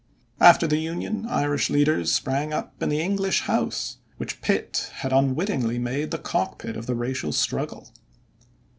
After the Union, Irish leaders sprang up in the English House, which Pitt had unwittingly made the cockpit of the racial struggle.